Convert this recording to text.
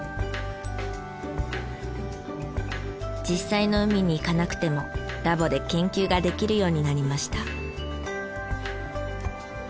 実際の海に行かなくてもラボで研究ができるようになりました。